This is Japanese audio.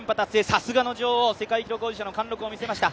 さすがの女王、世界記録保持者の貫禄を見せました。